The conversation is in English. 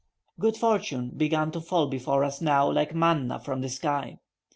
Good fortune began to fall before us now like manna from the sky.